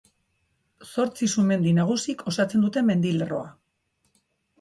Zortzi sumendi nagusik osatzen dute mendilerroa.